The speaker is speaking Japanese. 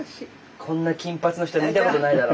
こんな金髪の人見たことないだろ。